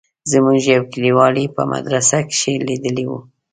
زموږ يو کليوال يې په مدرسه کښې ليدلى و.